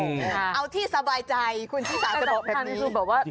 เอาที่สบายใจคุณฟิศาสตร์ก็ตอบแบบนี้